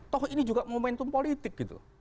toh ini juga momentum politik gitu